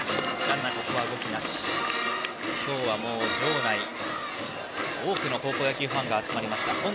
今日は場内多くの高校野球ファンが集まりました。